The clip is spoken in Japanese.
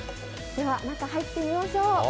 では中に入ってみましょう。